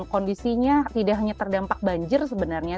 kondisinya tidak hanya terdampak banjir sebenarnya